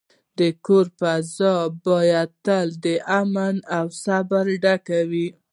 د کور فضا باید تل د امن او صبر ډکه وي.